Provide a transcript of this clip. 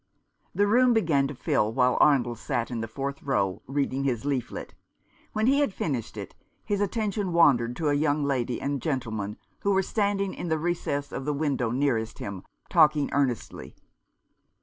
The room began to fill while Arnold sat in the fourth row reading his leaflet. When he had finished it, his attention wandered to a young lady and gentleman who were standing in the recess of the window nearest him, talking earnestly.